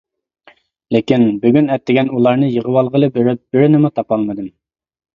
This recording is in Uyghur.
لېكىن، بۈگۈن ئەتىگەن ئۇلارنى يىغىۋالغىلى بېرىپ بىرىنىمۇ تاپالمىدىم.